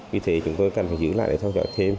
vì thế chúng tôi cần phải giữ lại để theo dõi thêm